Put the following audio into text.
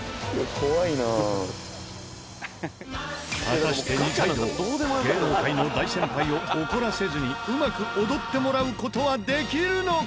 果たして二階堂芸能界の大先輩を怒らせずにうまく踊ってもらう事はできるのか？